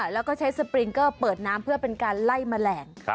แล้วก็ใช้สปริงเกอร์เปิดน้ำเพื่อเป็นการไล่แมลง